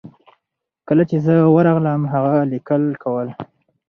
کله چې زه ورغلم هغه لیکل کول.